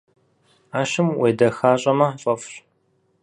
Ӏэщым уедэхащӏэмэ фӏэфӏщ.